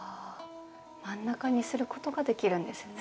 真ん中にすることができるんですね。